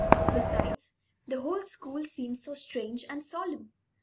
Besides, the whole school seemed so strange and solemn.